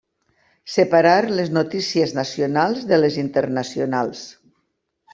Separar les notícies nacionals de les internacionals.